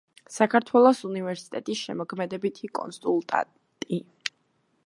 საქართველოს უნივერსიტეტის შემოქმედებითი კონსულტანტი.